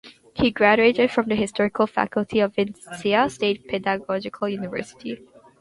He graduated from the historical faculty of Vinnytsia State Pedagogical University.